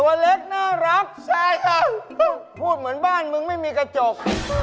ตัวเล็กน่ารักใช่อ่ะพูดเหมือนบ้านมึงไม่มีกระจก